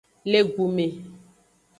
Le gu me.